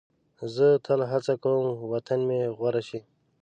زه تل هڅه کوم وطن مې غوره شي.